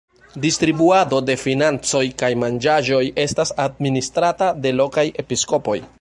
Distribuado de financoj kaj manĝaĵoj estas administrata de lokaj episkopoj.